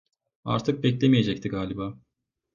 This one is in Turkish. Artık bekleyemeyecekti galiba.